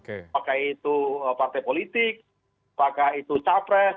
apakah itu partai politik apakah itu capres